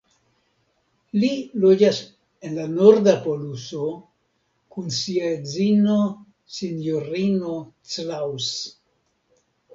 Li loĝas en la Norda Poluso kun sia edzino, Sinjorino Claus.